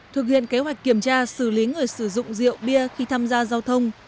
thực hiện kế hoạch kiểm tra xử lý người sử dụng rượu bia khi tham gia giao thông